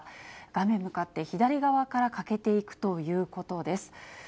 画面向かって左側から欠けていくということです。